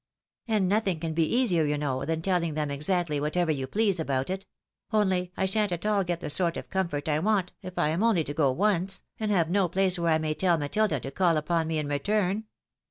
And nothing can be easier, you know, than telling them exactly whatever you please about it ; only I shan't at all get the sort of comfort I want if I am only to go once, and have no place where I may tell Matilda to call upon me in return."